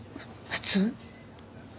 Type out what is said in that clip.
普通？